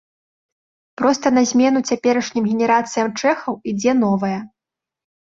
Проста на змену цяперашнім генерацыям чэхаў ідзе новая.